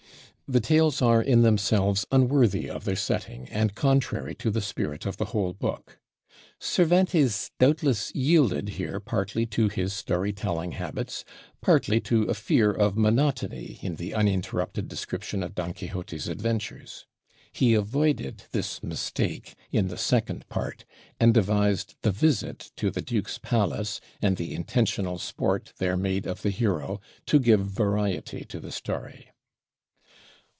The tales are in themselves unworthy of their setting, and contrary to the spirit of the whole book. Cervantes doubtless yielded here partly to his story telling habits, partly to a fear of monotony in the uninterrupted description of Don Quixote's adventures. He avoided this mistake in the second part, and devised the visit to the Duke's palace, and the intentional sport there made of the hero, to give variety to the story.